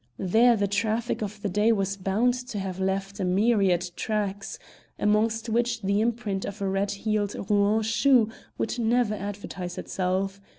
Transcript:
There the traffic of the day was bound to have left a myriad tracks, amongst which the imprint of a red heeled Rouen shoe would never advertise itself.